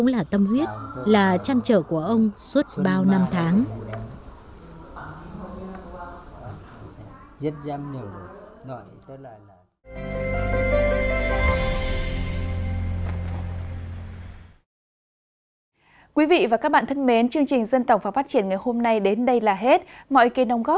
là trang trở của ông